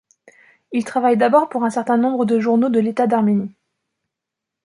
Il travaille d'abord pour un certain nombre de journaux de l'État d'Arménie.